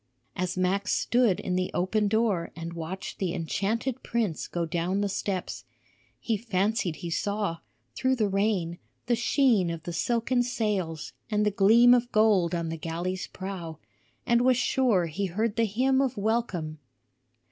As Max stood in the open door and watched the enchanted prince go down the steps, he fancied he saw, through the rain, the sheen of the silken sails and the gleam of gold on the galley's prow, and was sure he heard the hymn of welcome.